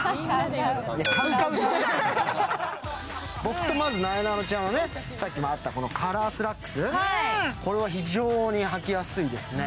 僕となえなのちゃんは、さっきもあったカラースラックス、これは非常にはきやすいですね。